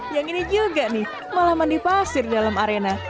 yang ini juga nih malah mandi pasir dalam arena